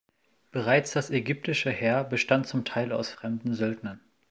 Bereits das ägyptische Heer bestand zum Teil aus fremden Söldnern.